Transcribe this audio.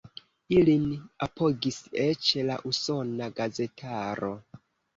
Ilin apogis eĉ la usona gazetaro.